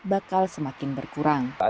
bakal semakin berkurang